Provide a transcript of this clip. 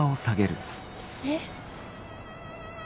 えっ？